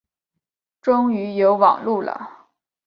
终于有网路了